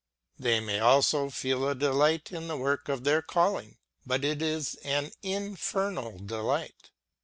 They may also feel a delight in the work of their calling ; but it is an infernal delight.